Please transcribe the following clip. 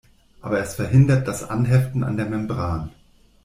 Aber es verhindert das Anheften an der Membran.